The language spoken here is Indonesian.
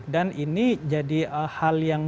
dan ini jadi hal yang